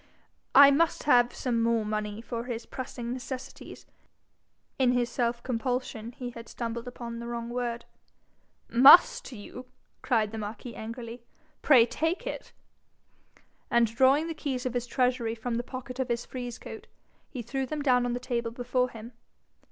'I must have some more money for his pressing necessities.' In his self compulsion he had stumbled upon the wrong word. 'MUST you?' cried the marquis angrily. 'Pray take it.' And drawing the keys of his treasury from the pocket of his frieze coat, he threw them down on the table before him.